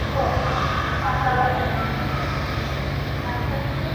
Morton ঠিক বলেছে।